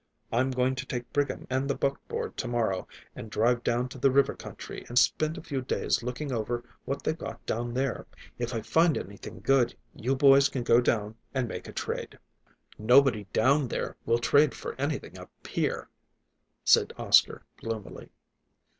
I'm going to take Brigham and the buckboard to morrow and drive down to the river country and spend a few days looking over what they've got down there. If I find anything good, you boys can go down and make a trade." "Nobody down there will trade for anything up here," said Oscar gloomily.